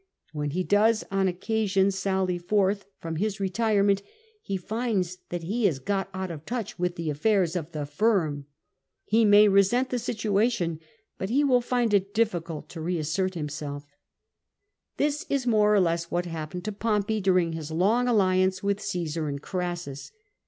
When he does, on occasion, sally forth from 266 POMPET his retirement, he finds that he has got out of touch with the affairs of the firm. He may resent the situation, but he will find it difficult to reassert himseli This is more or less what happened to Pompey during his long alliance with Caesar and Crassus.